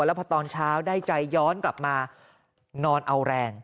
แล้วพอตอนเช้าได้ใจย้อนกลับมานอนเอาแรง